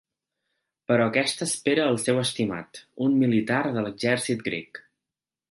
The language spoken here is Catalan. Però aquesta espera el seu estimat, un militar de l'exèrcit grec.